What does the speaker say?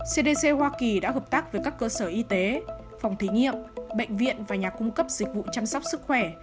cdc hoa kỳ đã hợp tác với các cơ sở y tế phòng thí nghiệm bệnh viện và nhà cung cấp dịch vụ chăm sóc sức khỏe